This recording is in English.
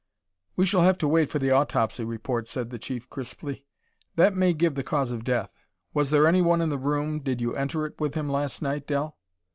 "We shall have to wait for the autopsy report," said the Chief crisply; "that may give the cause of death. Was there anyone in the room did you enter it with him last night, Del?"